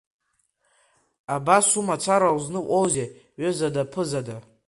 Абас умацара узныҟәозеи ҩызада-ԥызада?